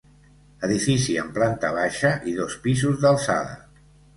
Edifici amb planta baixa i dos pisos d'alçada.